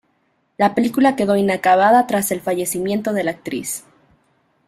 La película quedó inacabada tras el fallecimiento de la actriz.